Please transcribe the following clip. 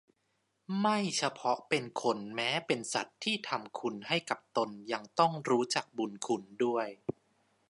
ไม่เฉพาะเป็นคนแม้เป็นสัตว์ที่ทำคุณให้กับตนยังต้องรู้จักบุญคุณด้วย